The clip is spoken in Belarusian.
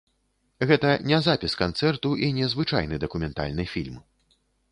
Гэта не запіс канцэрту і не звычайны дакументальны фільм.